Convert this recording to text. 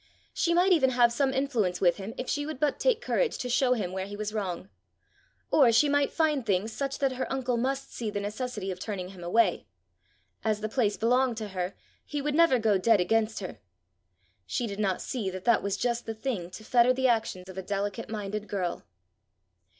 She might even have some influence with him if she would but take courage to show him where he was wrong! Or she might find things such that her uncle must see the necessity of turning him away; as the place belonged to her, he would never go dead against her! She did not see that that was just the thing to fetter the action of a delicate minded girl.